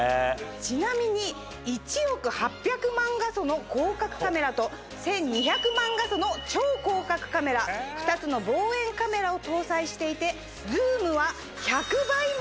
ちなみに１億８００万画素の広角カメラと１２００万画素の超広角カメラ２つの望遠カメラを搭載していてズームは。